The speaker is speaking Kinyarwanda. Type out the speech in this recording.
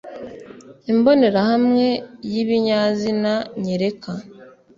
Imbonerahamwe y ibinyazina nyereka